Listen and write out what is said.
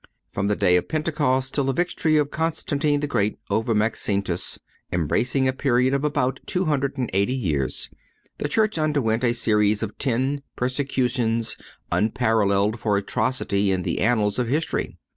From the day of Pentecost till the victory of Constantine the Great over Maxentius, embracing a period of about two hundred and eighty years, the Church underwent a series of ten persecutions unparalleled for atrocity in the annals of history.